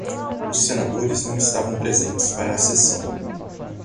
Os senadores não estavam presentes para a sessão.